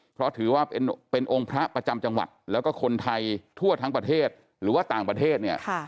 เพราะถือว่าเป็นองค์พระประจำจังหวัดแล้วก็คนไทยทั่วทั้งประเทศหรือว่าต่างประเทศเนี่ย